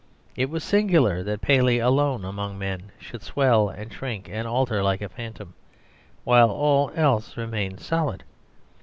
It was singular that Paley, alone among men, should swell and shrink and alter like a phantom, while all else remained solid.